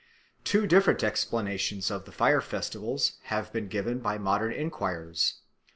Two different explanations of the fire festivals have been given by modern enquirers.